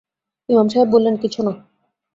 ইমাম সাহেব বললেন, কিছু না।